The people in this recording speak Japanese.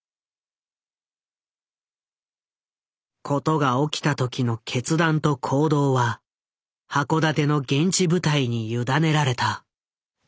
事が起きた時の決断と行動は函館の現地部隊に委ねられた。